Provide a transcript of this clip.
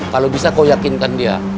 kalau bisa kau yakinkan dia